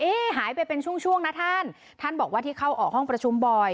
หายไปเป็นช่วงช่วงนะท่านท่านบอกว่าที่เข้าออกห้องประชุมบ่อย